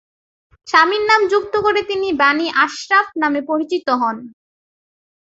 স্বামীর নাম যুক্ত করে তিনি বাণী আশরাফ নামে পরিচিত হন।